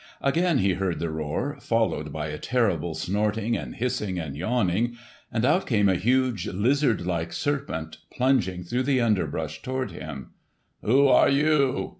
Again he heard the roar, followed by a terrible snorting and hissing and yawning, and out came a huge lizard like serpent plunging through the underbrush toward him. "Who are you?"